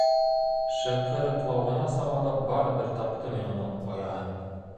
Шыҡырыҡлауына самалап барыбер таптым мин уның ояһын.